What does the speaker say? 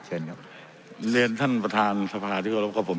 เชิญครับเรียนท่านประธานสภาที่เคารพกับผม